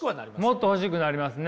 もっと欲しくなりますね。